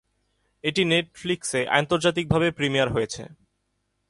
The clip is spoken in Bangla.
এটি নেটফ্লিক্সে আন্তর্জাতিকভাবে প্রিমিয়ার হয়েছে।